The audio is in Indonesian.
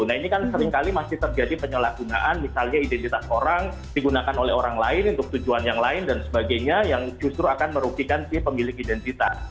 nah ini kan seringkali masih terjadi penyalahgunaan misalnya identitas orang digunakan oleh orang lain untuk tujuan yang lain dan sebagainya yang justru akan merugikan si pemilik identitas